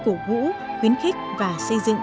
cổ vũ khuyến khích và xây dựng